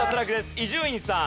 伊集院さん。